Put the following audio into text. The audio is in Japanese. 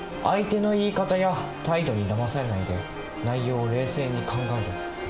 相手の言い方や態度にだまされないで内容を冷静に考える。